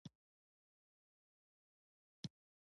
د جام منار یو تاریخي شاهکار دی